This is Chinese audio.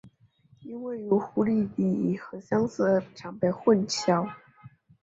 因为与湖拟鲤很相似而常被混淆。